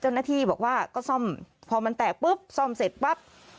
เจ้าหน้าที่บอกว่าก็ซ่อมพอมันแตกปุ๊บซ่อมเสร็จปั๊บ